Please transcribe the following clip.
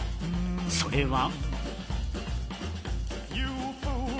それは。